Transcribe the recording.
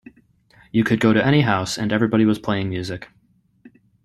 You could go to any house and everybody was playing music.